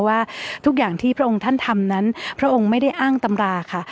ว่าทุกอย่างที่พระองค์ท่านทำนั้นพระองค์ไม่ได้อ้างตำราค่ะ